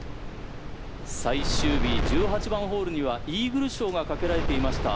最終日、１８番ホールにはイーグル賞がかけられていました。